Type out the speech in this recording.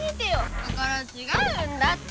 だからちがうんだって。